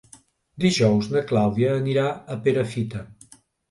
Dijous na Clàudia anirà a Perafita.